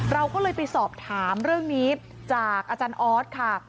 เราก็เลยไปสอบถามเรื่องนี้จากอาจารย์ออสค่ะ